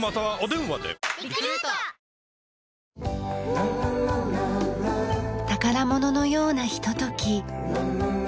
あなたも宝物のようなひととき。